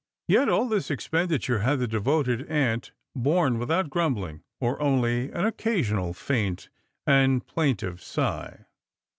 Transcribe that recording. Yet all this expenditure had the devoted axint borne without grumbling, or only an occasional faint and plaintive sigh.